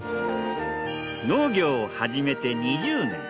農業を始めて２０年。